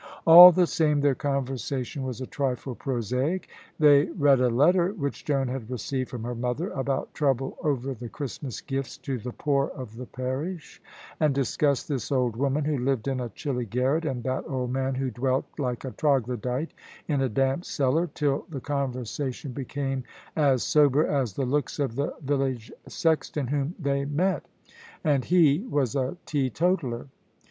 All the same, their conversation was a trifle prosaic. They read a letter which Joan had received from her mother about trouble over the Christmas gifts to the poor of the parish, and discussed this old woman who lived in a chilly garret, and that old man who dwelt like a troglodyte in a damp cellar, till the conversation became as sober as the looks of the village sexton whom they met. And he was a teetotaller.